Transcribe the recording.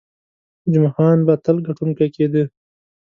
جمعه خان به تل ګټونکی کېده.